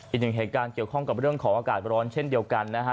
อีกหนึ่งเหตุการณ์เกี่ยวข้องกับเรื่องของอากาศร้อนเช่นเดียวกันนะฮะ